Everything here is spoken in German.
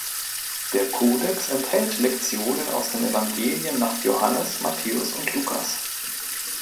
Der Kodex enthält Lektionen aus den Evangelien nach Johannes, Matthäus und Lukas.